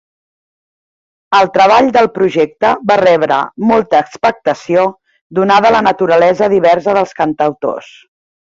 El treball del projecte va rebre molta expectació donada la naturalesa diversa dels cantautors.